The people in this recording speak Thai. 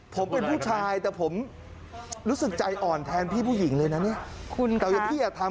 ถ้าเป็นเพื่อนกันได้เราค่อยว่ากันอีกทีอืมแต่วันนี้คือเราไม่อภัยเขาเลยนะครับ